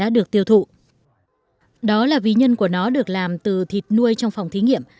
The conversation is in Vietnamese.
đó là vì nhân của nó được làm từ thịt nuôi trong phòng thí nghiệm